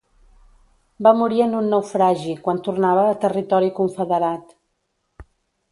Va morir en un naufragi quan tornava a territori Confederat.